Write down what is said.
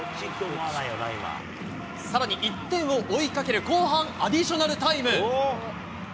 さらに１点を追いかける後半、アディショナルタイム。